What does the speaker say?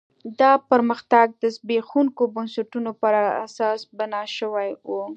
دا پرمختګ د زبېښونکو بنسټونو پر اساس بنا شوی و.